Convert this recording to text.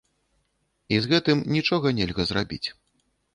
І з гэтым нічога нельга зрабіць.